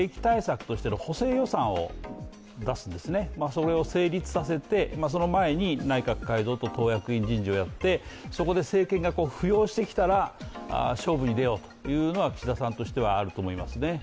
それを成立させて、その前に内閣改造と党役員人事をやってそこで政権が浮揚してきたら勝負に出ようというのは岸田さんとしてはあると思いますね。